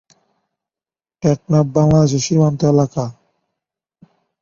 পরবর্তী জীবনে আলীর স্ত্রী ছিলেন।